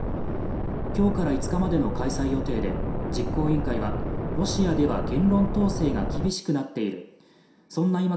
今日から５日までの開催予定で実行委員会はロシアでは言論統制が厳しくなっているそんな